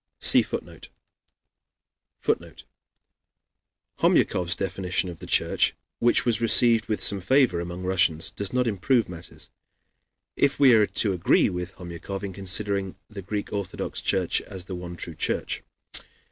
[See Footnote] [Footnote: Homyakov's definition of the Church, which was received with some favor among Russians, does not improve matters, if we are to agree with Homyakov in considering the Greek Orthodox Church as the one true Church.